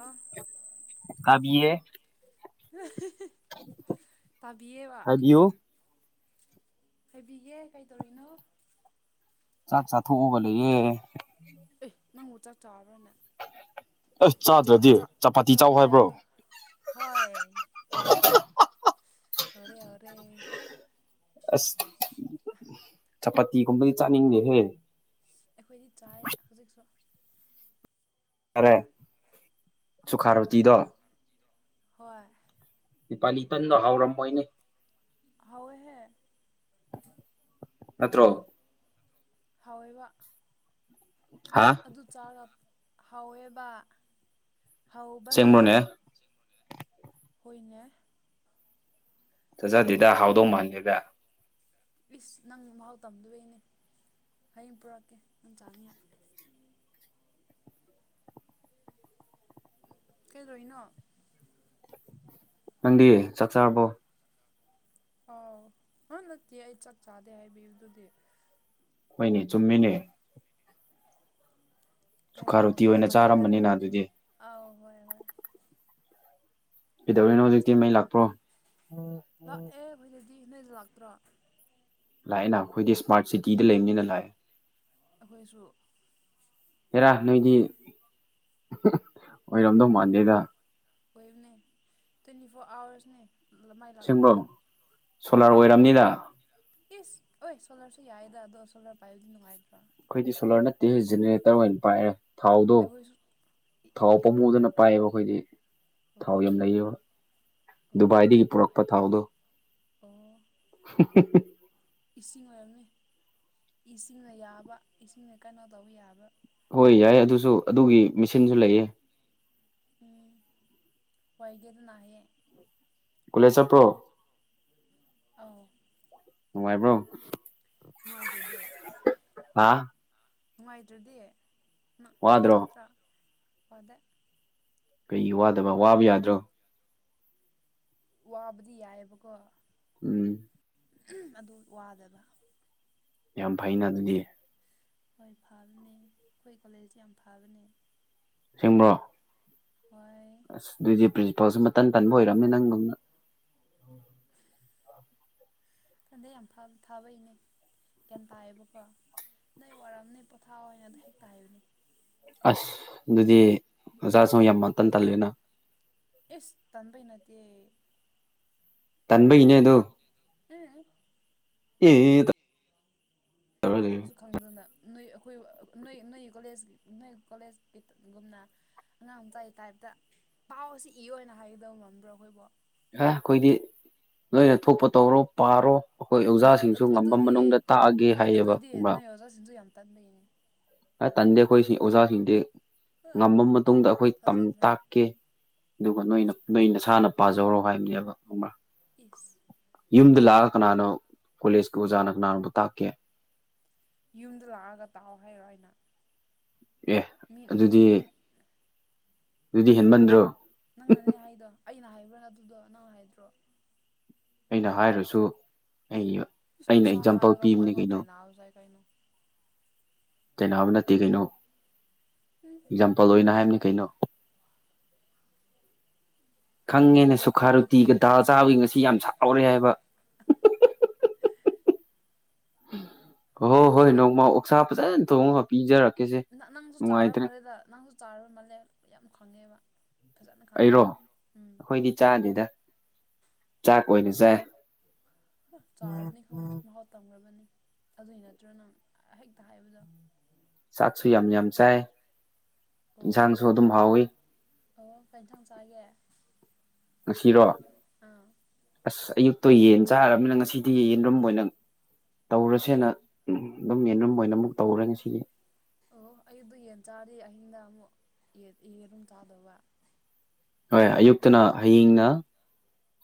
ꯑꯥ꯫ ꯀꯥꯕꯤꯌꯦ ꯇꯥꯕꯤꯌꯦꯕ ꯍꯥꯏꯕꯤꯌꯨ ꯍꯩꯕꯤꯒꯦ ꯀꯩꯗꯧꯔꯤꯅꯣ꯫ ꯆꯥꯛ ꯆꯥꯊꯣꯛꯑꯒ ꯂꯩꯌꯦ꯫ ꯑꯦ ꯅꯪꯕꯨ ꯆꯥꯛ ꯆꯥꯔꯕꯅꯦ꯫ ꯑꯁ ꯥꯆꯥ ꯆꯥꯗ꯭ꯔꯗꯤ ꯆꯥ ꯆꯄꯥꯇꯤ ꯆꯥꯎ ꯆꯥꯕ ꯍꯥꯏꯕ꯭ꯔꯣ ꯍꯥꯏꯕ꯭ꯔꯥ ꯍꯣꯏ ꯍꯧꯔ‌ꯦ ꯍꯧꯔ‌ꯦ꯫ ꯑꯁ ꯆꯄꯥꯇꯤꯒꯨꯝꯕꯗꯤ ꯆꯥꯅꯤꯡꯗꯦ ꯍ‌ꯦ꯫ ꯑꯩꯈꯣꯏꯗꯤ ꯆꯥꯏ ꯍꯧꯖꯤꯛꯁꯨ ꯔꯦ ꯁꯨꯈꯥ ꯑꯧ ꯔꯣꯇꯤꯗꯣ ꯍꯣꯏ꯫ ꯅꯦꯄꯥꯂꯤ ꯇꯟꯗ ꯍꯥꯎꯔꯝꯃꯣꯏꯅꯦ ꯍꯥꯎꯋ‌ꯦꯍꯦ꯫ ꯅꯠꯇ꯭ꯔꯣ ꯍꯥꯎꯋꯦꯕ꯫ ꯍꯥ꯫ ꯑꯗꯨ ꯆꯥꯔ ꯍꯥꯎꯋꯦꯕ ꯍꯥꯎꯕꯅ ꯑꯁꯦꯡꯕ꯭ꯔꯣꯅꯦ ꯍꯣꯏꯅꯦ ꯊꯖꯗꯦꯗ ꯍꯥꯎꯗꯧ ꯃꯥꯟꯗꯦꯗ ꯢꯁ ꯅꯪ ꯃꯍꯥꯎ ꯇꯝꯗꯕꯩꯅꯦ ꯍꯌꯦꯡ ꯄꯨꯔꯛꯀꯦ ꯅꯪ ꯆꯥꯅꯤꯡꯉꯥꯏ ꯀꯩꯗꯣꯔꯤꯅꯣ꯫ ꯅꯪꯗꯤ ꯆꯥꯛ ꯆꯥꯔꯕꯣ ꯑꯥꯎ ꯑꯥ ꯅꯠꯇꯦ ꯑꯩ ꯆꯥꯛ ꯆꯥꯗꯦ ꯍꯥꯏꯕꯤꯕꯗꯨꯗꯤ꯫ ꯍꯣꯏꯅꯦ ꯆꯨꯝꯃꯤꯅꯦ ꯁꯨꯈꯥ ꯀꯩꯑꯕ ꯔꯣꯇꯤ ꯑꯣꯏꯅ ꯅꯦꯄꯥꯂꯤ ꯇꯟ ꯆꯥꯔꯝꯕꯅꯤꯅ ꯑꯗꯨꯗꯤ ꯑ ꯍꯣꯏ ꯍꯣꯏ ꯑꯗꯨ ꯀꯩꯗꯧꯔꯤꯅꯣ ꯑꯣꯏꯅ ꯍꯧꯖꯤꯛꯇꯤ ꯃꯩ ꯆꯥꯔꯦ ꯂꯥꯛꯄ꯭ꯔꯣ ꯂꯥꯛꯑꯦ ꯇꯣꯏꯗꯗꯤ ꯅꯣꯏꯗ ꯂꯥꯛꯇ꯭ꯔꯣ ꯂꯥꯛꯑꯦꯅ ꯈꯣꯏꯗꯤ ꯁꯃꯥꯔꯠ ꯁꯤꯇꯤꯗ ꯂꯩꯕꯅꯤꯅ ꯂꯥꯛꯑꯦ꯫ ꯑꯈꯣꯏꯁꯨ꯫ ꯍ‌ꯦꯔꯥ ꯅꯣꯏꯗꯤ ꯑꯣꯏꯔꯝꯗꯧ ꯃꯥꯟꯗꯦꯗ꯫ ꯑꯣꯏꯕꯅꯦ ꯇ꯭ꯋꯦꯟꯇꯤ ꯐꯣꯔ ꯑꯋꯥꯔꯁꯅꯦ ꯃꯥꯏ ꯑꯁꯦꯡꯕ꯭ꯔꯣ ꯂꯥꯛꯄꯗꫭ ꯁꯣꯂꯥꯔ ꯍꯣꯏ꯫ ꯑꯣꯏꯔꯝꯅꯤꯗ ꯢꯁ ꯑꯣꯢ ꯁꯣꯂꯥꯔꯁꯨ ꯌꯥꯏꯗ ꯑꯗꯣ ꯁꯣꯂꯔ ꯄꯥꯏꯕꯗꯤ ꯅꯨꯡꯉꯥꯏꯗ꯭ꯔꯥ ꯑꯩꯈꯣꯏꯗꯤ ꯁꯣꯂꯥꯔ ꯅꯠꯇꯦ ꯖꯦꯅꯦꯔꯦꯇꯔ ꯑꯣꯏꯅ ꯄꯥꯏꯔꯦ ꯊꯥꯎꯗꯣ ꯑꯈꯣꯏꯁꯨ꯫ ꯊꯥꯎ ꯄꯥꯝꯃꯨꯗꯅ ꯄꯥꯏꯑꯕ ꯑꯈꯣꯏꯗꯤ ꯊꯥꯎ ꯌꯥꯝ ꯂꯩꯌꯦꯕ꯫ ꯑꯦ ꯑꯣ ꯗꯨꯕꯥꯏꯗꯒꯤ ꯄꯨꯔꯛꯄ ꯊꯥꯎꯗꯣ ꯑꯣ [inaudible] ꯏꯁꯤꯡ ꯑꯣꯏꯔꯝꯅꯦ ꯢꯁꯤꯡꯅ ꯌꯥꯕ ꯏꯁꯤꯡꯅ ꯀꯩꯅꯣ ꯇꯧꯕ ꯌꯥꯕ꯫ ꯍꯣꯏ ꯌꯥꯏ ꯑꯗꯨꯁꯨ ꯑꯗꯨꯒꯤ ꯃꯤꯁꯤꯟꯁꯨ ꯂꯩꯌꯦ ꯎꯝ ꯍꯏꯒꯦ ꯑꯗꯨꯅ ꯍꯌꯦꯦ [inaudible] ꯀꯣꯂꯦꯖ ꯆꯠꯄ꯭ꯔꯣ꯫ ꯑꯥꯎ ꯅꯨꯡꯉꯥꯏꯕ꯭ꯔꯣ꯫ ꯅꯨꯡꯉꯥꯏꯇ꯭ꯔꯗꯤ ꯍꯥ ꯅꯨꯡꯉꯥꯏꯇ꯭ꯔꯥꯗꯤ ꯅꯪ ꯅꯪ ꯋꯥꯗ꯭ꯔꯣ ꯆꯠꯇ꯭ꯔꯥ ꯐꯗꯦ꯫ ꯀꯩꯒꯤ ꯋꯥꯗꯕ ꯋꯥꯕ ꯌꯥꯗ꯭ꯔꯣ꯫ ꯋꯥꯕꯗꯤ ꯌꯥꯏꯌꯦꯕꯀꯣ ꯎꯝ ꯑꯗꯨ ꯋꯥꯗꯕ ꯌꯥꯝ ꯐꯩꯅ ꯑꯗꯨꯗꯤ ꯍꯣꯏ ꯐꯕꯅꯦ ꯑꯩꯈꯣꯏ ꯀ꯭ꯋꯥꯂꯦꯖꯇꯤ ꯌꯥꯝ ꯐꯕꯅꯦ ꯁꯦꯡꯕ꯭ꯔꯣ꯫ ꯍꯣꯏ꯫ ꯑꯁ ꯑꯗꯨꯗꯤ ꯄ꯭ꯔꯤꯟꯁꯤꯄꯥꯜꯁꯨ ꯃꯇꯟ ꯇꯟꯕ ꯑꯣꯏꯔꯝꯅꯤ ꯅꯪꯒꯨꯝꯅ ꯑꯗꯨ ꯌꯥꯝ ꯐꯥꯕꯩꯅꯦ ꯒ꯭ꯌꯥꯟ ꯇꯥꯏꯌꯦꯕꯀꯣ ꯅꯣꯏ ꯋꯥꯔꯝꯅꯦ ꯄꯣꯊꯥꯑꯣ ꯑꯣꯏꯅ ꯍꯦꯛꯇꯥ ꯍꯥꯏꯕꯅꯤ ꯑꯁ ꯑꯗꯨꯗꯤ ꯑꯣꯖꯥꯁꯨ ꯌꯥꯝ ꯃꯟꯇꯟ ꯇꯜꯂꯦꯅ ꯑꯦꯁ ꯇꯟꯕꯩ ꯅꯠꯇ‌ꯦ ꯇꯟꯕꯩꯅꯦ ꯑꯗꯣ [inaudible] ꯑꯦ꯫ ꯇꯧꯔ ꯂꯩꯌꯦ ꯈꯪꯁꯨ ꯈꯪꯗꯅ ꯅꯣꯏ ꯑꯩꯈꯣꯏ ꯅꯣꯏ ꯅꯣꯏ ꯀꯣꯂꯦꯖꯀꯤ ꯅꯣꯏ ꯀꯣꯂꯦꯖꯀꯤ ꯒꯨꯝꯅ ꯑꯉꯥꯡ ꯃꯆꯥꯏ ꯇꯥꯏꯞꯇ ꯄꯥꯎꯁꯤ ꯏꯌꯣꯅ ꯍꯥꯏꯒꯗꯧ ꯉꯝꯕ꯭ꯔꯣ ꯈꯣꯏꯕꯣ꯫ ꯍꯥ ꯑꯈꯣꯏꯗꯤ ꯅꫭꯏꯅ ꯊꯣꯛꯄ ꯇꯧꯔꯣ ꯄꯥꯔꯣ꯫ ꯑꯩꯈꯣꯏ ꯑꯗꯨ ꯑꯣꯖꯥꯁꯤꯡꯁꯨ ꯉꯝꯕ ꯃꯅꯨꯡꯗ ꯇꯥꯛꯑꯒꯦ ꯍꯥꯏꯌꯦꯕ ꯑꫭꯖꯥꯁꯤꯡꯗꯨ ꯌꯥꯝ ꯇꯟꯕꯩꯅꯦ ꯑꯥ ꯇꯟꯗꯦ ꯈꯣꯏ ꯑꯣꯖꯥ ꯁꯤꯡꯗꯤ ꯉꯝꯃ ꯃꯇꯨꯡꯗ ꯑꯈꯣꯏ ꯇꯝ ꯊꯥꯖꯗ꯭ꯔꯦ ꯇꯥꯛꯀꯦ ꯑꯗꯨꯒ ꯅꯣꯏꯅ ꯊꯥꯖ ꯅꯣꯏ ꯅꯁꯥꯅ꯫ ꯄꯥꯖꯧꯔꯣ ꯍꯥꯏꯕꯅꯦꯕ ꯈꯪꯑꯕ ꯏꯁ ꯌꯨꯝꯗ ꯂꯥꯛꯑꯒ ꯀꯅꯥꯅꯣ ꯀꯣꯂꯦꯖꯀꯤ ꯑꯣꯖꯥꯅ ꯀꯅꯥꯅꯣꯕꯨ ꯇꯥꯛꯀꯦ ꯌꯨꯝꯗ ꯂꯥꯛꯑꯒ ꯇꯥꯎ ꯍꯥꯏꯔꯣ ꯑꯩꯅ꯫ ꯑꯦ ꯃꯤ ꯃꯤꯅ ꯑꯗꯨꯗꯤ ꯃꯤ ꯑꯗꯨꯗꯤ ꯍꯦꯟꯃꯟꯗ꯭ꯔꯣ ꯅꯪꯅꯅꯦ ꯍꯥꯏꯗꯣ ꯑꯩꯅ ꯍꯥꯏꯕ꯭ꯔꯥ ꯑꯗꯨꯗꯣ ꯅꯪ ꯍꯥꯏꯗ꯭ꯔꯣ꯫ ꯑꯩꯅ ꯍꯥꯏꯔꯁꯨ ꯑꯩ ꯏꯁ ꯑꯩꯅ ꯅꯁꯥꯅ ꯑꯦꯛꯖꯥꯝꯄꯜ ꯍꯥꯏꯔꯒ ꯑꯃꯨꯛ ꯄꯤꯕꯅꯤ ꯀꯩꯅꯣ꯫ [unintelligible] ꯆꯩꯅꯕ ꯅꯠꯇꯦ ꯀꯩꯅꯣ ꯎꯝ ꯑꯦꯛꯖꯥꯝꯄꯜ ꯑꯣꯏꯅ ꯇꯥꯏꯅꯕꯅꯤ ꯍꯥꯏꯕꯅꯤ ꯀꯩꯅꯣ ꯑꯗꯨ ꯈꯪꯉꯦꯅ ꯑꯦꯛꯖꯥꯝꯄꯜ ꯁꯨꯈꯥ ꯔꯨꯇꯤꯒ ꯗꯥꯜ ꯆꯥꯕꯒꯤ ꯉꯁꯤ ꯌꯥꯝ ꯁꯥꯎꯔꯦ ꯍꯥꯏꯕ ꯍꯣ ꯅꯪꯁꯨ ꯍꯣꯏ ꯅꯣꯡꯃ ꯑꯣꯛꯁꯥ ꯐꯖꯅ ꯊꯣꯡꯉꯒ ꯄꯤꯖꯔꯛꯀꯦꯁꯦ꯫ ꯅꯪꯁꯨ ꯆꯥꯔ ꯅꯨꯡꯉꯥꯏꯇ꯭ꯔꯦ ꯃꯥꯜꯂꯦꯗ ꯅꯪꯁꯨ ꯆꯥꯔ ꯃꯥꯜꯂꯦ ꯌꯥꯝ ꯈꯪꯉꯦꯕ꯫ ꯐꯖꯅ ꯑꯩꯔꯣ ꯈꯪꯉꯦꯕ ꯎꯝ ꯑꯩꯈꯣꯏꯗꯤ ꯆꯥꯗꯦꯗ ꯆꯥꯛ ꯑꯣꯏꯅ ꯆꯥꯏ ꯍꯥ ꯆꯥꯔꯕꯅꯤ ꯈꯪꯏ ꯃꯍꯥꯎ ꯇꯝꯈ꯭ꯔꯕꯅꯤ ꯑꯗꯨꯏ ꯅꯠꯇ꯭ꯔꯅꯪ ꯍꯦꯛꯇ ꯍꯥꯏꯕꯗꯣ꯫ ꯆꯥꯛꯁꯨ ꯌꯥꯝ ꯌꯥꯝ ꯆꯥꯏ꯫ ꯑꯣ ꯏꯟꯁꯥꯡꯁꯨ ꯑꯗꯨꯝ ꯍꯥꯎꯋꯤ ꯑꯣ ꯀꯩ ꯏꯟꯁꯥꯡ ꯆꯥꯒꯦ꯫ ꯉꯁꯤꯔꯣ ꯉꯁꯤꯗꯤ ꯑꯥ ꯑꯁ ꯑꯌꯨꯛꯇꯣ ꯌꯦꯟ ꯆꯥꯔꯝꯅꯤꯅ ꯉꯁꯤꯗꯤ ꯌꯦꯔꯨꯝ ꯑꫭꯏꯅ ꯇꯧꯔꯁꯦꯅ ꯗꯨꯝ ꯌꯦꯟꯔꯨꯝ ꯑꯣꯏꯅ ꯑꯃꯨꯛ ꯇꯧꯔꯦ ꯉꯁꯤꯒꯤ꯫ ꯑꯣ ꯑꯩ ꯑꯗꯨ ꯌꯦꯟ ꯆꯥꯔꯤ ꯑꯍꯤꯡꯗ ꯑꯃꯨꯛ ꯌꯦꯔꯨꯝ ꯆꯥꯗꯧꯕ ꯍꯣꯏ ꯑꯌꯨꯛꯇꯅ ꯍꯌꯦꯡꯅ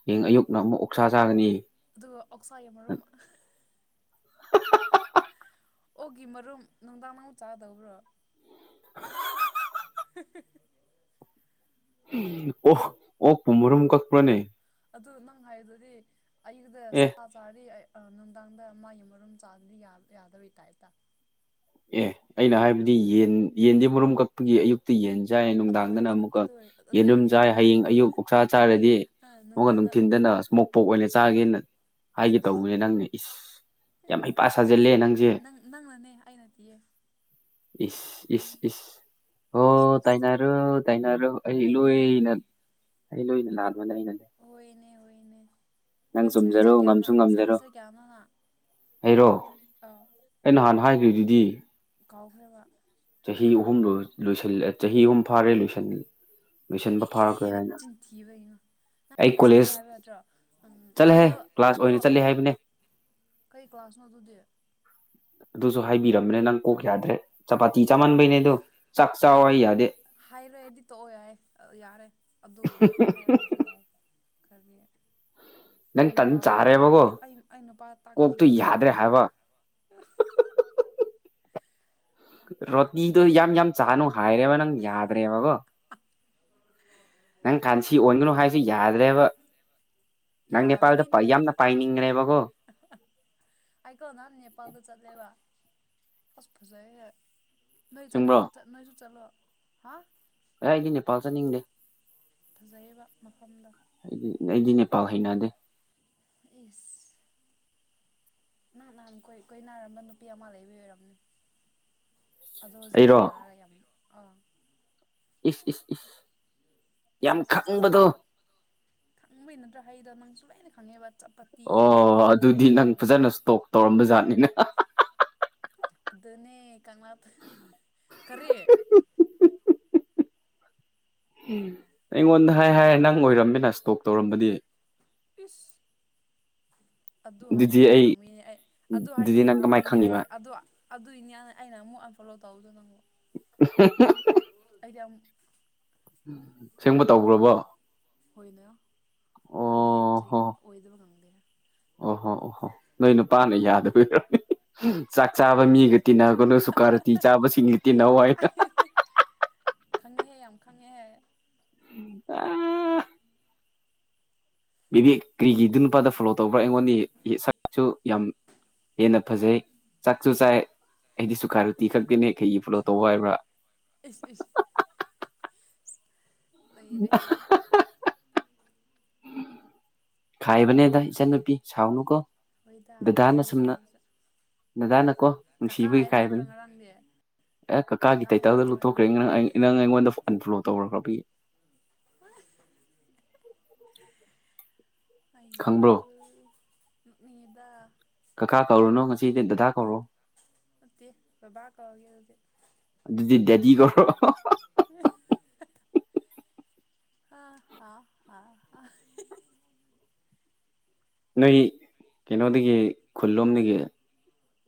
ꯍꯌꯦꯡ ꯑꯌꯨꯛꯅ ꯑꯃꯨꯛ ꯑꯣꯛꯁꯥ ꯆꯥꯒꯅꯤ ꯑꯗꯨꯒ ꯑꯣꯛꯁꯥꯏꯒꯤ ꯃꯔꯨꯝ ꯑꯣꯒꯤ ꯃꯔꯨꯝ ꯅꯨꯡꯗꯥꯡ ꯑꯃꯨꯛ ꯆꯥꯗꯧꯕ꯭ꯔꯣ [unintelligible] [unintelligible] ꯑꯣ ꯑꯣꯛꯄꯨ ꯃꯔꯨꯝ ꯀꯛ ꯄ꯭ꯔꯅꯦ꯫ ꯑꯗꯨ ꯅꯪ ꯍꯥꯏꯗꯨꯗꯤ ꯑꯩꯒꯤꯗ ꯑꯦ ꯁꯥ ꯆꯥꯗꯤ ꯅꯨꯡꯗꯥꯡꯗ ꯃꯥꯒꯤ ꯃꯔꯨꯝ ꯆꯥꯗꯤ ꯌꯥꯗꯕꯩ ꯇꯥꯏꯞꯇꯥ ꯑꯦ ꯑꯩꯅ ꯍꯥꯏꯕꯗꯤ ꯌꯦꯟ ꯌꯦꯟꯗꯤ ꯃꯔꯨꯝ ꯀꯛ꯫ ꯌ‌ꯦ ꯑꯌꯨꯛꯇ ꯌꯦꯟ ꯆꯥꯏ ꯑꯗꯨ ꯅꯨꯡꯗꯥꯡꯗꯅ ꯑꯣꯏꯔꯁꯨ ꯑꯃꯨꯛꯀ ꯑꯗꯨ ꯑꯣꯏ ꯌꯦꯟꯔꯨꯝ ꯑꯗꯨꯏꯅꯦ ꯆꯥꯏ ꯑꯗꯨ ꯍꯌꯦꯡ ꯑꯌꯨꯛ ꯑꯣꯛꯁꯥ ꯆꯥꯔꯗꯤ꯫ ꯑꯣ ꯅꯨꯡꯗꯥꯡꯗ ꯅꯨꯡꯊꯤꯟꯗꯅ ꯑꯣ ꯏꯁꯃꯣꯛ ꯄꯣꯛ ꯑꯣꯏꯅ ꯆꯥꯒꯦꯅ ꯏꯁ ꯍꯥꯏꯒꯦ ꯇꯧꯕꯅꯦ ꯏꯁ ꯅꯪꯅ ꯏꯁ ꯌꯥꯝ ꯍꯩꯄ ꯁꯥꯖꯤꯜꯂꯦ ꯅꯪꯁꯦ ꯅꯪ ꯅꯪꯅꯅꯦ ꯑꯩꯅ ꯅꯠꯇꯦꯌꯦ ꯏꯁ ꯏꯁ ꯏꯁ ꯏꯁ ꯑꯣ ꯏꯁ ꯇꯥꯏꯅꯔꯣ ꯇꯥꯏꯅꯔꯣ ꯑꯩ ꯂꯣꯏꯅ ꯇꯩꯅꯔꯗꯤ ꯑꯩ ꯂꯣꯏꯅ ꯂꯥꯟꯕꯅꯦ ꯑꯩꯅꯅꯦ ꯍꯣꯏ ꯍꯣꯏꯅꯦ ꯍꯣꯏꯅꯦ ꯅꯪ ꯆꯨꯝꯖꯔꯣ ꯁꯔꯃꯤꯁꯇꯔ ꯀꯌꯥꯅꯣ ꯉꯝꯁꯨ ꯉꯝꯖꯔꯣ ꯁꯔꯃꯤꯁꯇꯔ ꯀꯌꯥꯅꯣ ꯍꯥ ꯑꯩꯔꯣ ꯑꯩ ꯅꯍꯥꯟꯅ ꯍꯥꯏꯈ꯭ꯔꯤꯗꯨꯗꯤ ꯀꯥꯎꯈ꯭ꯔꯕ ꯆꯍꯤ ꯑꯍꯨꯝ ꯂꯣꯏ ꯂꯣꯏꯁꯤꯟꯂꯥꯛꯑ ꯆꯍꯤ ꯑꯍꯨꯝ ꯐꯥꯔꯦ ꯂꯣꯏꯁꯤꯜ ꯑꯦ ꯑꯦ ꯑꯦ ꯑꯦꯔ ꯅꯆꯤꯟꯊꯤꯕ ꯑꯩ ꯆꯠꯂꯦ ꯀꯣꯂꯦꯖ ꯍꯥꯏꯕ ꯌꯥꯗ꯭ꯔꯣ ꯎꯝ ꯆꯠꯂꯍꯦ ꯍꯥꯏꯅꯧ ꯀ꯭ꯂꯥꯁ ꯍꯥꯏꯅꯧ ꯑꯣꯏꯅ ꯆꯠꯂꯦ ꯍꯥꯏꯅꯧ ꯍꯥꯏꯕꯅꯦ ꯀꯩ ꯀ꯭ꯂꯥꯁꯅꯣ ꯑꯗꯨꯗꯤ ꯑꯗꯨꯁꯨ ꯍꯥꯏꯕꯤꯔꯝꯅꯦ ꯅꯪ ꯀꯣꯛ ꯌꯥꯗ꯭ꯔꯦ ꯆꯄꯥꯇꯤ ꯆꯥꯃꯟꯕꯩꯅꯦ ꯑꯗꯨ ꯆꯥꯛ ꯆꯥꯎ ꯌꯥꯗꯦ ꯍꯥꯏꯔꯣꯏ ꯗꯤ ꯇꯣꯛꯑꯣ ꯌꯥꯏ ꯌꯥꯔꯦ ꯑꯗꯨ ꯂꯣꯏ ꯍꯥꯏꯔꯛꯗ꯭ꯔꯁꯨ ꯑꯦꯌꯥꯥꯏ ꯀꯔꯤ ꯑꯩ ꯅꯪ ꯇꯟ ꯅꯨꯄꯥꯕꯨ ꯑꯩ ꯆꯥꯔꯦꯕꯀꯣ ꯑꯩ ꯑꯩ ꯅꯨꯄꯥ ꯀꯣꯛꯇꯨ ꯇꯛꯀꯅꯤꯀꯣ ꯅꯪ ꯌꯥꯗ꯭ꯔꯦ ꯐꯩꯍꯟꯅꯤ ꯍꯥꯏꯕ ꯔꯣꯠꯇꯤꯗꯣ ꯌꯥꯝ ꯌꯥꯝ ꯆꯥꯅꯨ ꯍꯥꯏꯔꯦꯕ ꯅꯪ ꯌꯥꯗ꯭ꯔꯦꯕꯀꯣ ꯅꯪ ꯀꯥꯟꯁꯤ ꯑꯣꯟꯒꯅꯨ ꯍꯥꯏꯁꯤ ꯌꯥꯗ꯭ꯔꯦꯕ ꯅꯪ ꯅꯦꯄꯥꯜꯗ ꯌꯥꯝꯅ ꯄꯥꯏꯅꯤꯡꯈ꯭ꯔꯦꯕꯀꯣ ꯑꯩꯀꯣꯜ ꯅꯍꯥꯟ ꯅꯦꯄꯥꯜꯗ ꯆꯠꯂꯦꯕ ꯑꯁ ꯐꯖꯩ ꯅꯣꯏ ꯆꯨꯝꯕ꯭ꯔꯣ ꯆꯠ ꯅꯣꯏꯁꯨ ꯆꯠꯂꯣ ꯍꯥ ꯑꯦ ꯑꯩꯗꯤ ꯅꯦꯄꯥꯜ ꯆꯠꯅꯤꯡꯗꯦ ꯐꯖꯩꯕ ꯃꯐꯝꯗꯣ ꯑꯩꯗꯤ ꯑꯩꯗꯤ ꯅꯦꯄꯥꯜ ꯍꯩꯅꯗꯦ ꯏꯁ ꯅꯪ ꯅꯍꯥꯟ ꯀꯣꯏ ꯀꯣꯏꯅꯂꯝꯕ ꯅꯨꯄꯤ ꯑꯃ ꯂꯩꯕꯒꯤ ꯑꯣꯏꯔꯝꯅꯤ ꯑꯗꯣ ꯍꯧꯖꯤꯛ ꯀꯥꯏ ꯑꯩꯔꯣ ꯅꯥꯔ ꯌꯥꯝ ꯑꯥ ꯏꯁ ꯏꯁ ꯏꯁ ꯏꯁ ꯌꯥꯝ ꯏꯁ ꯏꯁ ꯈꯪꯕꯗꯣ ꯈꯪꯕꯩ ꯅꯠꯇ꯭ꯔꯥ ꯍꯗꯣ ꯅꯪꯁꯨ ꯂꯣꯏꯅ ꯈꯪꯉꯦꯕ ꯆꯞꯄꯠ ꯑꯣ ꯑꯗꯨꯗꯤ ꯅꯪ ꯐꯖꯅ ꯁꯇꯣꯛ ꯇꯧꯔꯝꯕ ꯖꯠꯅꯤꯅꯦ ꯑꯗꯨꯅꯦ ꯀꯪꯂꯥ ꯀꯔꯤ ꯑꯩꯉꯣꯟꯗ ꯍꯥꯏ ꯍꯥꯏꯂ ꯅꯪ ꯑꯣꯏꯔꯝꯃꯦꯅ ꯏꯁꯇꯣꯛ ꯇꯧꯔꯝꯕꯗꯤ ꯏꯁ ꯑꯗꯨ ꯑꯗꯨꯗꯤ ꯍꯥꯏꯅꯦ ꯑꯩ ꯈꯪꯕꯤꯅꯦ ꯑꯩ ꯑꯗꯨ ꯍꯥꯏꯅꯦ ꯑꯗꯨꯗꯤ ꯅꯪ ꯀꯃꯥꯏꯅ ꯈꯪꯕꯤꯅꯦ ꯑꯩ ꯈꯪꯉꯤꯕ ꯑꯗꯣ ꯑꯗꯨꯏꯅꯦ ꯑꯩꯅ ꯑꯃꯨꯛ ꯑꯟꯐꯣꯂꯣ ꯇꯧꯗꯣ ꯅꯪꯕꯣ [inaudible] ꯑꯩꯗꯤ ꯑꯝ ꯎꯝ ꯁꯦꯡꯕ ꯇꯧꯈ꯭ꯔꯕꯣ ꯍꯣꯏꯅꯦ ꯑꯩꯗꯤ ꯑꯣ ꯑꯣꯏꯗꯕ ꯉꯥꯡꯗꯦ ꯑꯣꯍꯣ ꯑꯣꯍꯣ ꯅꯣꯏ ꯅꯨꯄꯥꯅ ꯌꯥꯗꯕꯩ ꯑꯣꯏꯂꯝꯅꯤ ꯆꯥꯛ ꯆꯥꯕ ꯃꯤꯒ ꯇꯤꯟꯅ ꯀꯩꯅꯣꯁꯨ ꯀꯥꯔꯗꯤꯤ ꯆꯥꯕꯁꯤꯡꯒ ꯇꯤꯟꯅ ꯋꯥꯏꯅ [unintelligible] ꯈꯪꯉꯦꯍꯦ ꯌꯥꯝ ꯈꯪꯉꯦꯍꯦ [inaudible] ꯕꯤꯕꯦꯛ ꯀꯔꯤꯒꯤꯗꯨ ꯅꯨꯄꯥꯗ ꯐꯣꯂꯣ ꯇꯧꯕ꯭ꯔꯥ ꯑꯩꯉꯣꯟꯗ ꯁꯥꯔꯁꯨ ꯌꯥꯝ ꯍꯦꯟꯅ ꯐꯖꯩ ꯆꯥꯛꯁꯨ ꯆꯥꯏ ꯑꯩꯗꯤ ꯁꯨꯈꯥꯏꯔꯨꯇꯤ ꯈꯛꯇꯅꯦ ꯈꯩꯒꯤ ꯐꯣꯂꯣ ꯇꯧꯕ ꯍꯥꯏꯕ꯭ꯔꯥ ꯂꯩꯔꯦꯦ ꯈꯏꯕꯅꯦꯗ ꯏꯆꯟ ꯅꯨꯄꯤ ꯁꯥꯎꯅ ꯀꯣ ꯍꯣꯏꯗ ꯈꯪꯉꯦꯗ ꯑꯩꯁꯨ ꯗꯥꯗꯥꯅꯀꯣ ꯀꯀꯥ ꯅꯨꯡꯁꯤꯕꯒꯤ ꯍꯥꯏꯕ ꯅꯠꯇ꯭ꯔꯣ ꯈꯥꯏꯕꯅꯤ ꯉꯔꯥꯡꯗꯤ ꯑꯦ ꯀꯀꯥꯒꯤ ꯀꯀꯥ ꯍꯦꯟ ꯇꯩꯇꯜꯗ ꯀꯥꯎ ꯍꯥꯏꯕ ꯂꯨꯞꯊꯣꯛꯈ꯭ꯔꯦ ꯅꯠꯇ꯭ꯔꯣ ꯅꯪ ꯅꯪ ꯑꯩꯉꯣꯟꯗ ꯑꯟꯐꯂꯣ ꯇꯧꯈ꯭ꯔꯕꯒꯤ [unintelligible] ꯑꯌꯣ ꯈꯪꯕ꯭ꯔꯣ ꯅꯣꯛꯅꯤꯡꯉꯦꯗ ꯀꯀꯥ ꯀꯧꯔꯨꯅꯣ ꯉꯁꯤꯗꯤ ꯗꯗꯥ ꯀꯧꯔꯛꯑꯣ ꯅꯠꯇꯦ ꯕꯥꯕꯥ ꯀꯧꯔꯒꯦ ꯑꯗꯨꯗꯤ ꯑꯗꯨꯗꯤ ꯗꯦꯗꯤ ꯀꯧꯔꯛꯑꯣ ꯎꯝ ꯑ ꯍ ꯑ ꯅꯣꯏ ꯀꯩꯅꯣꯗꯒꯤ ꯈꯨꯜꯂꯣꯝꯗꯒꯤ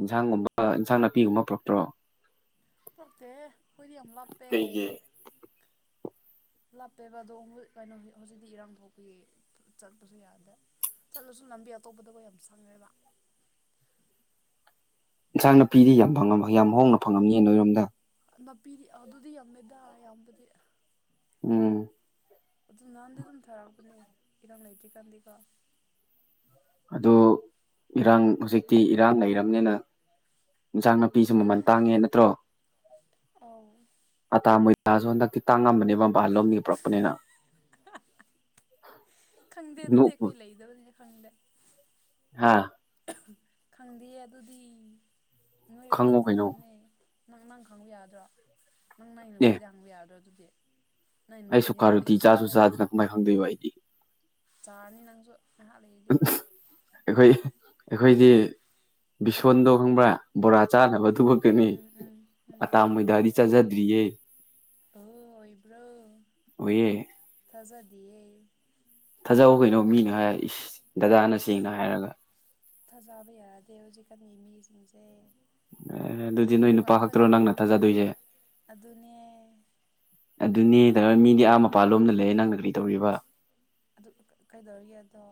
ꯏꯟꯁꯥꯡꯒꯨꯝꯕ ꯏꯟꯁꯥꯡ ꯅꯥꯄꯤꯒꯨꯝꯕ ꯄꯨꯔꯛꯇ꯭ꯔꯣ ꯆꯥꯛꯗꯦ ꯀꯣꯏꯗꯤ ꯌꯥꯝ ꯑꯃ ꯂꯄꯦ ꯀꯩꯒꯤ ꯂꯥꯞꯄꯦꯕ ꯑꯗꯣ ꯀꯩꯅꯣ ꯍꯧꯖꯤꯛꯇꯤ ꯏꯔꯥꯡ ꯊꯣꯛꯄꯌꯦ ꯆꯠꯄꯁꯨ ꯌꯥꯗꯦ ꯆꯠꯂꯁꯨ ꯂꯝꯕꯤ ꯑꯇꯣꯞꯄꯗꯒ ꯌꯥꯝ ꯁꯪꯉꯦꯕ ꯏꯟꯁꯥꯡꯅ ꯄꯤꯔꯤꯗꯤ ꯌꯥꯝ ꯐꯉ ꯌꯥꯝ ꯍꯣꯡꯅ ꯐꯪꯉꯝꯃꯤ ꯅꯣꯏꯔꯣꯝꯗ ꯅꯥꯄꯤꯗꯤ ꯑꯗꯨꯗꯤ ꯌꯥꯝꯃꯦꯗ ꯑꯌꯥꯝꯕꯗꯤ ꯎꯝ ꯑꯗꯨ ꯅꯍꯥꯟꯗꯤ ꯑꯗꯨꯝ ꯊꯥꯔꯛꯄꯅꯦ ꯏꯔꯪ ꯂꯩꯇ꯭ꯔꯤꯀꯥꯟꯗꯤꯀꯣ ꯑꯗꯨ ꯏꯔꯥꯡ ꯍꯧꯖꯤꯛꯇꯤ ꯏꯔꯥꯟ ꯂꯩꯔꯕꯅꯤꯅ ꯏꯟꯁꯥꯡ ꯅꯥꯄꯤꯁꯨ ꯃꯃꯟ ꯇꯥꯡꯉꯦ ꯅꯠꯇ꯭ꯔꯣ ꯑ ꯑꯥꯇꯥ ꯃꯣꯏꯖꯥꯁꯨ ꯍꯟꯗꯛꯇꯤ ꯇꯥꯡꯉꯝꯕꯅꯦꯕ ꯃꯕꯥꯜ ꯂꯣꯝꯒꯤ ꯄꯨꯔꯛꯄꯅꯤꯅ [unintelligible] ꯈꯪꯗꯦ ꯑꯗꯨꯗꯤ ꯅꯣꯛꯎ ꯑꯩꯈꯣꯏ ꯂꯩꯗꯕꯅꯤꯅ ꯈꯪꯗꯦ ꯍꯥꯥ ꯈꯪꯗꯦ ꯑꯗꯨꯗꯤ ꯅꯣꯏ ꯑꯣꯏꯅ ꯈꯪꯉꯨ ꯀꯩꯅꯣ ꯈꯪꯕꯅꯦ ꯅꯪ ꯅꯪ ꯈꯪꯕ ꯌꯥꯗ꯭ꯔꯣ ꯅꯪ ꯅꯪꯒꯤ ꯑꯦ ꯅꯨꯄꯤꯗ ꯍꯪꯕ ꯌꯥꯒꯗ꯭ꯔꯣ ꯑꯗꯨꯗꯤ ꯅꯪ ꯑꯩ ꯅꯨꯄꯤꯅꯦ ꯄꯥꯂꯤ ꯁꯨꯀꯥꯔꯨꯇꯤ ꯆꯥꯁꯨ ꯆꯥꯗꯅ ꯀꯃꯥꯏ ꯈꯪꯗꯣꯏꯕ ꯑꯩꯗꯤ ꯆꯥꯔꯅꯤ ꯅꯪꯁꯨ ꯉꯥꯏꯍꯥꯛ ꯂꯩꯗꯤ ꯑꯩꯈꯣꯏ ꯑꯩꯈꯣꯏꯗꯤ ꯁꯣꯟꯗꯣ ꯈꯪꯕ꯭ꯔꯥ ꯕꯣꯔꯥ ꯆꯥꯅꯕ ꯎꯝ ꯊꯂꯛꯀꯅꯤ ꯎꯝ ꯎꯝ ꯎꯝ ꯑꯇꯥ ꯃꯣꯏꯗꯗꯤ ꯆꯥꯖꯗ꯭ꯔꯤꯌꯦ ꯍ ꯍꯣꯏꯕ꯭ꯔꯣ ꯑꯣꯏꯌꯦꯦ ꯊꯥꯖꯗꯤꯌꯦꯦ ꯊꯥꯖꯍꯧ ꯀꯩꯅꯣ ꯃꯤꯅ ꯍꯥꯏꯔ ꯏꯁ ꯗꯗꯥꯅ ꯁꯦꯡꯅ ꯍꯥꯏꯔꯒ ꯊꯖꯥꯕ ꯌꯥ ꯑꯗꯗꯤ ꯍꯧꯖꯤꯛꯀꯥꯟꯒꯤ ꯃꯤ꯭ꯌꯖꯤꯛꯁꯦ ꯑꯦ ꯑꯗꯨꯗꯤ ꯅꯣꯏ ꯎꯏꯗ ꯅꯨꯄꯥ ꯉꯥꯛꯇ ꯈꯛꯇꯔꯣ ꯅꯪꯅ ꯉꯪꯕꯅꯦ ꯊꯥꯖꯗꯣꯏꯁꯦ ꯑꯗꯨꯅꯦ ꯑꯗꯨꯅꯦ ꯇꯧ ꯃꯤꯗꯤ ꯑꯥ ꯑꯩ ꯃꯄꯥ ꯂꯣꯝꯅ ꯂꯩꯦ ꯅꯪꯅ ꯀꯔꯤ ꯇꯧꯔꯤꯕ ꯑꯗꯨ ꯀꯩꯗꯧꯔꯤꯒꯦ ꯑꯗꯣ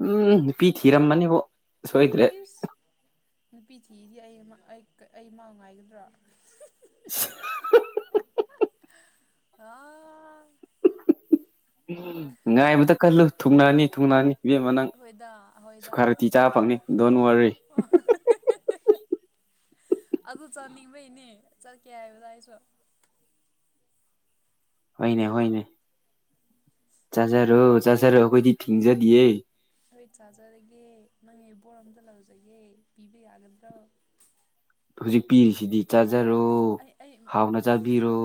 ꯎꯝ ꯄꯤ ꯊꯔꯝ ꯃꯥꯅꯤꯕꯣ ꯏꯁ ꯅꯨꯄꯤ ꯊꯤꯗꯤ ꯑꯩ [unintelligible] ꯑꯩꯃꯥꯎ ꯉꯥꯏꯒꯗ꯭ꯔꯣ [unintelligible] ꯎ ꯉꯥꯏꯕꯗ ꯀꯜꯂꯨ ꯊꯨꯡꯅꯅꯤ ꯊꯨꯡꯅꯅꯤ ꯏꯕꯦꯝꯃꯅꯪ ꯍꯣꯏꯗ ꯁꯨ ꯍꯣꯏꯗ ꯈꯔ ꯊꯤ ꯆꯥꯕ ꯐꯪꯅꯤ ꯗꯣꯟ ꯋꯥꯔꯤ [unintelligible] ꯑꯗꯨ ꯆꯠꯅꯤꯡꯕꯩꯅꯦ ꯆꯠꯀꯦ ꯍꯥꯏꯕꯗ ꯑꯩꯁꯨ ꯍꯣꯏꯅꯦ ꯍꯣꯏꯅꯦ ꯍꯣꯏꯅꯦ ꯆꯥꯖꯔꯣ ꯆꯥꯖꯔꯣ ꯑꯩꯈꯣꯏꯗꯤ ꯊꯤꯡꯖꯗꯤꯌꯦ ꯅꯣꯏ ꯆꯥꯖꯔꯒꯦ ꯅꯪ ꯑꯩꯕꯣ [unintelligible] ꯂꯧꯖꯒꯦ ꯄꯤꯕ ꯌꯥꯒꯗ꯭ꯔꯣ ꯍꯧꯖꯤꯛ ꯄꯤꯔꯤꯁꯤꯗꯤ ꯆꯥꯖꯔꯣ ꯑꯩ ꯑꯩ ꯑꯩ ꯍꯥꯎꯅ ꯆꯥꯕꯤꯔꯣ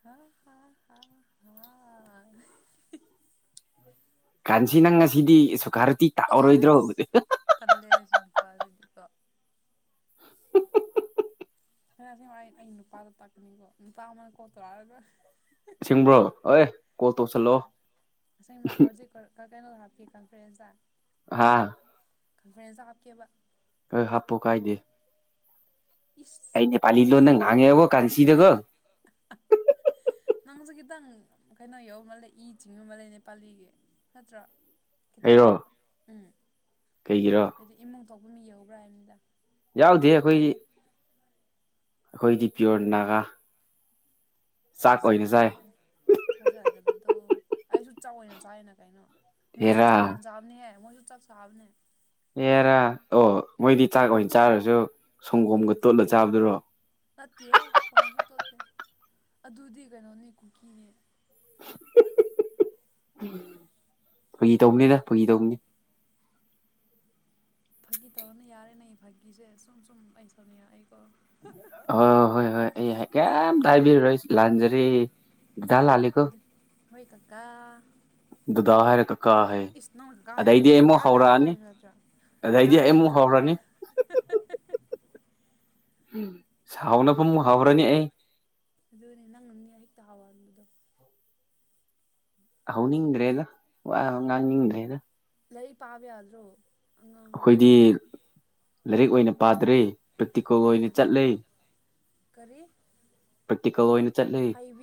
ꯍꯥ ꯍ ꯍ ꯀꯥꯟꯁꯤ ꯅꯪ ꯉꯁꯤꯗꯤ ꯁꯨꯀꯥꯔꯨꯇꯤ ꯄꯣꯛ ꯇꯥꯛꯑꯔꯣꯏꯗ꯭ꯔꯣ ꯑꯩꯁ ꯀꯜꯂꯦ ꯍꯥꯏꯁꯨ ꯅꯨꯄꯥꯗꯗꯤꯀꯣ ꯐꯁꯃ ꯑꯩ ꯅꯨꯄꯥꯗꯣ ꯇꯥꯛꯀꯅꯤꯀꯣ ꯅꯨꯄꯥ ꯑꯃ ꯀꯣꯠꯇꯣꯔꯥꯒ ꯑꯁꯤꯡꯕ꯭ꯔꯣ ꯍꯣꯑ ꯍꯣꯏ ꯑꯁꯦꯡꯕ ꯍꯧꯖꯤꯛ ꯀꯩꯅꯣꯗ ꯍꯥꯞꯄꯤ ꯀꯟ ꯐ꯭ꯔꯦꯟꯖꯗ ꯍꯥꯥ ꯀꯟꯐ꯭ꯔꯦꯟꯁ ꯇ ꯍꯥꯞꯀꯦꯕ ꯀ ꯍꯥꯞꯄꯣ ꯀꯥꯏꯗꯦ ꯏꯁ ꯀꯩ ꯅ‌ꯦꯄꯂꯤ ꯂꯣꯟꯗ ꯉꯦꯒꯣ ꯀꯥꯟꯁꯤꯗꯒꯣ [unintelligible] ꯅꯪꯁꯨ ꯈꯤꯇꯪ ꯀꯩꯅꯣ ꯌꯧꯔꯕ ꯏ ꯆꯤꯡꯉꯕ ꯂꯩ ꯅꯦꯄꯥꯂꯤꯒꯤ ꯅꯠꯇ꯭ꯔꯥ ꯈꯤꯇꯪ ꯑꯩꯔꯣ ꯎꯝ ꯀꯩꯒꯤꯔꯣ ꯍꯥꯏꯗꯤ ꯏꯃꯨꯡ ꯊꯣꯛꯄ ꯃꯤ ꯌꯍꯧꯕ꯭ꯔꯥ ꯍꯥꯏꯕꯅꯤꯗ ꯌꯥꯎꯗꯦ ꯑꯩꯈꯣꯏꯒꯤ ꯍꯥꯏꯗꯤ ꯑꯩꯈꯣꯏꯗꯤ ꯄꯤꯌꯣꯔ ꯅꯥꯒꯥ ꯆꯥꯛ ꯑꯣꯏꯅ ꯆꯥꯏ ꯊꯥꯖꯗꯦ ꯊꯥꯖꯗꯕꯗꯣ ꯑꯩꯁꯨ ꯆꯧꯑ‌ꯣꯏꯅ ꯆꯥꯏꯅ ꯀꯩꯅꯣ ꯃꯣꯏꯁꯨ ꯍꯦꯔꯥ ꯆꯥꯛꯋꯦꯟ ꯆꯥꯕꯅꯦꯍꯦ ꯃꯣꯏꯁꯨ ꯆꯥꯛ ꯆꯥꯕꯅꯦ ꯑꯦꯔꯥ ꯑꯣ ꯃꯣꯏꯗꯤ ꯆꯥꯛ ꯑꯩꯈꯣꯏ ꯑꯣꯏꯅ ꯆꯥꯔꯁꯨ ꯑꯩꯈꯣꯏ ꯁꯪꯒꯣꯝꯒ ꯇꯣꯠꯂ ꯆꯥꯕꯗꯨꯔꯣ ꯅꯠꯇꯤ ꯁꯃꯁꯨ ꯇꯣꯇꯦ ꯑꯗꯨꯗꯤ ꯀꯩꯅꯣꯅꯤ ꯀꯨꯀꯤꯅꯦ ꯐꯒꯤ ꯇꯧꯕꯅꯤꯗ ꯐꯨꯒꯤ ꯇꯧꯕꯅꯤ ꯐꯥꯒꯤ ꯇꯧꯔꯅ ꯌꯥꯔꯦꯅꯦ ꯑꯩ ꯐꯥꯒꯤꯁꯦ ꯁꯨꯝ ꯁꯨꯝ ꯑꯩ ꯁꯥꯎꯅꯤꯡꯉꯥꯛ ꯑ‌ꯦ ꯀ‌ꯣ ꯑꯣ ꯍꯣꯏ ꯍꯣꯏ ꯑꯩ ꯍ ꯀꯦꯝ ꯇꯥꯏꯕꯤꯔꯔꯣꯏ ꯂꯥꯟꯖꯔꯤ ꯗꯥ ꯂꯜꯂꯤꯂꯤꯀꯣ ꯑꯗꯨ ꯍꯣꯏ ꯀꯀꯥ ꯗꯗꯥ ꯍꯥꯏꯔꯒ ꯀꯀꯥ ꯏꯁ ꯅꯪꯅ ꯀꯀꯥ ꯍꯥꯏꯕ ꯑꯗꯩꯗꯤ ꯅꯠꯇ꯭ꯔꯣ ꯀꯀꯥ ꯑꯩꯃꯨꯛ ꯂꯥꯜꯂꯤꯀꯣ ꯍꯧꯔꯛꯑꯅꯤ ꯍꯥꯏꯕ ꯅꯠꯇ꯭ꯔꯣ ꯀꯀꯥ ꯑꯗꯥꯏꯗꯤ ꯂꯩ ꯑꯩꯃꯨꯛ ꯍꯥꯎꯔꯅꯤ [unintelligible] ꯁꯥꯎꯅꯕ ꯃꯨꯛ ꯍꯥꯎꯔꯅꯤ ꯑꯩ ꯑꯗꯨꯅꯦ ꯅꯪ ꯅꯅꯤ ꯑꯩ ꯗꯥꯎ ꯍꯥꯠꯄꯗꯨ ꯍꯧꯅꯤꯡꯗ꯭ꯔꯦꯗ ꯋꯥ ꯉꯥꯡꯅꯤꯡꯗ꯭ꯔꯦꯗ ꯂꯔꯤ ꯄꯥꯕ ꯌꯗ꯭ꯔꯣ ꯑꯩꯈꯣꯏꯗꯤ ꯂꯥꯏꯔꯤꯛ ꯑꯣꯏꯅ ꯄꯥꯗ꯭ꯔꯤ ꯄ꯭ꯔꯦꯛꯇꯤꯀꯦꯜ ꯀꯩ ꯑꯣꯏꯅ ꯄꯥ ꯆꯠꯂ ꯀꯔꯤ ꯄ꯭ꯔꯦꯛꯇꯤꯀꯦꯜ ꯑꯣꯏꯅ ꯆꯠꯂꯤ ꯍꯩꯕꯤ